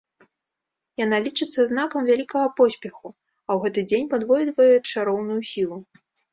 Яна лічыцца знакам вялікага поспеху, а ў гэты дзень падвойвае чароўную сілу.